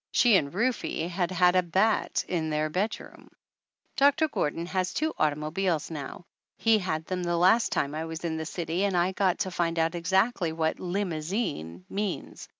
She and Rufe had had a bat in their bedroom! Doctor Gordon has two automobiles now. He had them the last time I was in the city and I got to find out exactly what "limousine" means.